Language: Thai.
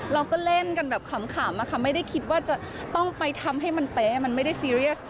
เราก็เล่นกันแบบขำไม่ได้คิดว่าจะต้องไปทำให้มันเป๊ะมันไม่ได้ซีเรียส